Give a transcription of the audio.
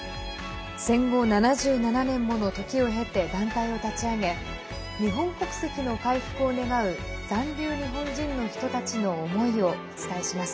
戦後７７年もの時を経て団体を立ち上げ日本国籍の回復を願う残留日本人の人たちの思いをお伝えします。